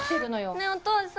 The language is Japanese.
えねえお父さん。